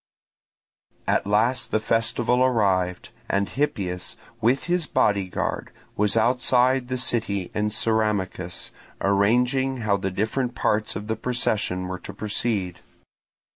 At last the festival arrived; and Hippias with his bodyguard was outside the city in the Ceramicus, arranging how the different parts of the procession were to proceed.